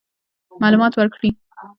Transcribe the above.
معلومات ورکړي.